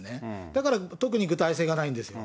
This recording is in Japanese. だから特に具体性がないんですよ。